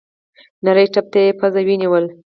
نري تپ ته يې پزه ونيوله.